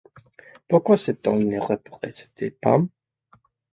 Pourquoi cet homme ne reparaissait-il pas ?